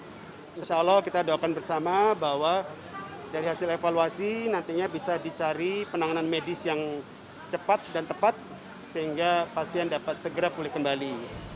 jadi insya allah kita doakan bersama bahwa dari hasil evaluasi nantinya bisa dicari penanganan medis yang cepat dan tepat sehingga pasien dapat segera pulih kembali